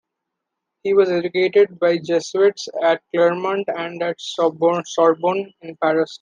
He was educated by the Jesuits at Clermont and at the Sorbonne in Paris.